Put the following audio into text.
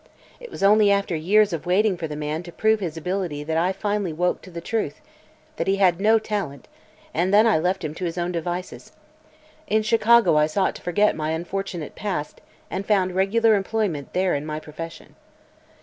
It was only after years of waiting for the man to prove his ability that I finally woke to the truth that he had no talent and I then left him to his own devices. In Chicago I sought to forget my unfortunate past and found regular employment there in my profession.